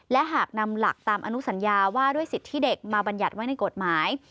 และหากนำหลักตามอนุสัญญาว่าด้วยสิทธิ์ที่เด็กมาบรรยัติไว้ในกฎหมาย